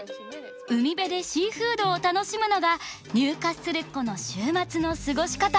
海辺でシーフードを楽しむのがニューカッスルっ子の週末の過ごし方。